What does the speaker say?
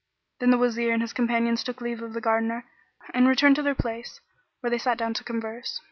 Then the Wazir and his companions took leave of the Gardener and returned to their place, where they sat down to converse.